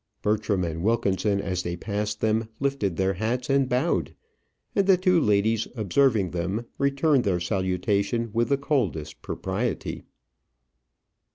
Bertram and Wilkinson, as they passed them, lifted their hats and bowed, and the two ladies observing them, returned their salutation with the coldest propriety.